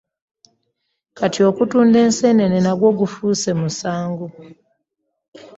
Kati okutunda enseenene nago gufuuse musango.